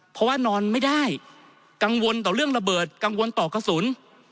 เพราะว่านอนไม่ได้กังวลต่อเรื่องระเบิดกังวลต่อกระสุน